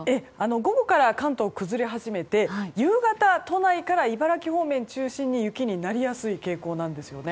午後から関東は崩れ始めて夕方、都内から茨城方面中心に雪になりやすい傾向なんですよね。